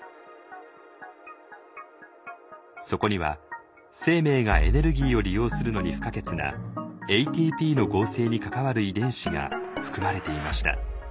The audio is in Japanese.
そこには生命がエネルギーを利用するのに不可欠なＡＴＰの合成に関わる遺伝子が含まれていました。